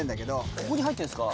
ここに入ってるんですか？